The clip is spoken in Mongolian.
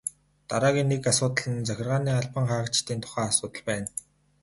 Дараагийн нэг асуудал нь захиргааны албан хаагчдын тухай асуудал байна.